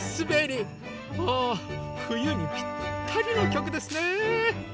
ああふゆにぴったりのきょくですね。